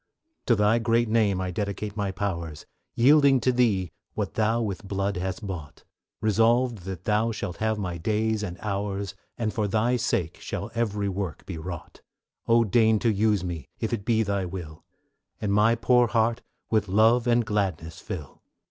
To Thy great name I dedicate my powers, Yielding to Thee what Thou with blood hast bought, Resolved that Thou shalt have my days and hours, And for Thy sake shall every work be wrought; O deign to use me, if it be Thy will, And my poor heart with love and gladness fill.